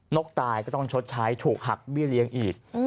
กตายก็ต้องชดใช้ถูกหักเบี้ยเลี้ยงอีก